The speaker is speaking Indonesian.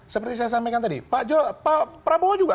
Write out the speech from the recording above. seperti saya sampaikan tadi pak prabowo juga